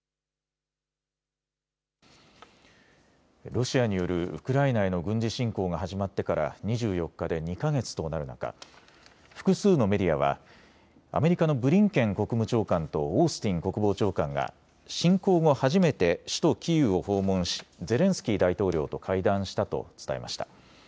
ロシアによるウクライナへの軍事侵攻が始まってから２４日で２か月となる中、複数のメディアはアメリカのブリンケン国務長官とオースティン国防長官が侵攻後、初めて首都キーウを訪問しゼレンスキー大統領と会談したと伝えました。